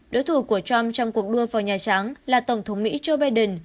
đối thủ của trump trong cuộc đua vào nhà trắng là tổng thống mỹ joe biden